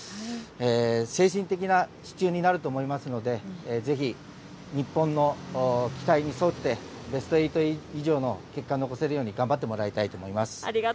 精神的な支柱になると思いますのでぜひ、日本の期待に沿ってベスト８以上の結果を残せるように頑張ってもらいたいと思います。